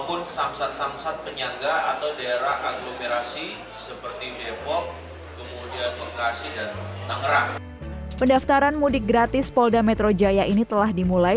pada saat ini pendaftaran mudik gratis polda metro jaya telah dimulai